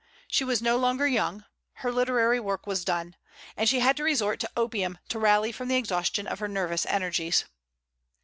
She was no longer young. Her literary work was done. And she had to resort to opium to rally from the exhaustion of her nervous energies.